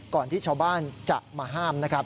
ที่ชาวบ้านจะมาห้ามนะครับ